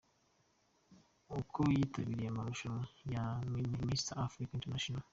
Uko yitabiriye amarushanwa ya Mister Africa International .